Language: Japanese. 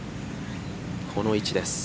この位置です。